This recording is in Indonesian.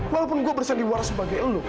walaupun gue bersandiwara sebagai lo